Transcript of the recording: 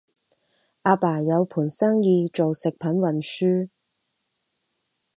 阿爸有盤生意做食品運輸